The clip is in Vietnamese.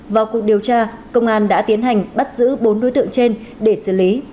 vào cuộc điều tra công an đã tiến hành bắt giữ bốn đối tượng trên để xử lý